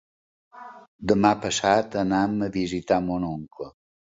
Demà passat anem a visitar mon oncle.